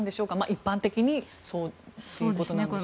一般的にそういうことなんでしょうか。